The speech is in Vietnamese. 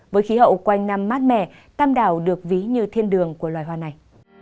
với khí hậu quanh năm mát mẻ tam đảo được ví như thiên đường của loài hoa này